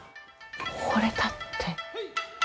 ほれたって。